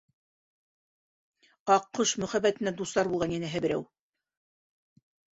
Аҡҡош мөхәббәтенә дусар булған йәнәһе берәү!